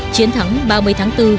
chiến thắng ba mươi tháng bốn